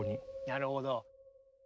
なるほど。